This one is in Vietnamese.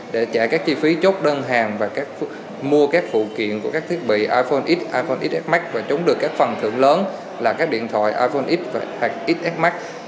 để trả các chi phí chốt đơn hàng và mua các phụ kiện của các thiết bị iphone x iphone xs max và trúng được các phần thưởng lớn là các điện thoại iphone x hoặc xs max